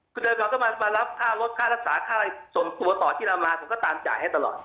คุณโดยเฉพาะก็มารับค่ารักษาค่าอะไรสมควรต่อที่รามราคมก็ตามจ่ายให้ตลอด